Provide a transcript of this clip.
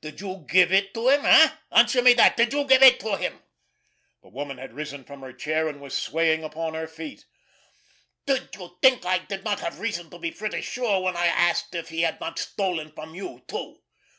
Did you give it to him—eh? Answer me that—did you give it to him?" The woman had risen from her chair, and was swaying upon her feet. "Did you think I did not have reason to be pretty sure when I asked if he had not stolen from you, too?"